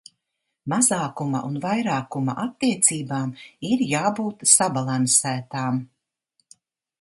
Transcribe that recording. Mazākuma un vairākuma attiecībām ir jābūt sabalansētām.